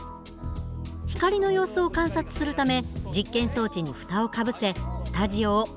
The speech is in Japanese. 光の様子を観察するため実験装置に蓋をかぶせスタジオを暗くします。